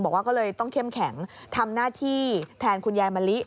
บอกว่าก็เลยต้องเข้มแข็งทำหน้าที่แทนคุณยายมะลิ